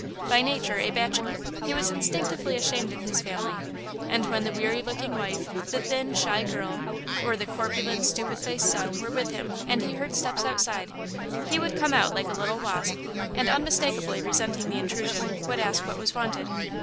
By nature a bachelor, he was instinctively ashamed of his family, and when the weary looking wife, the thin, shy girl, or the corpulent, stupid faced son were with him and he heard steps outside, he would come out like a little wasp, and, unmistakably resenting the intrusion, would ask what was wanted.